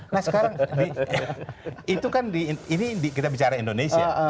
nah sekarang itu kan ini kita bicara indonesia